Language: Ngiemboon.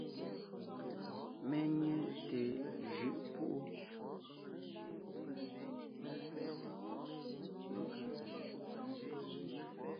Mé nyé té jʉʼ púʼu.